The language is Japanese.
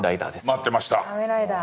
待ってました。